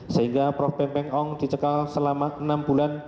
sehingga prof beng beng ong dicekal selama enam bulan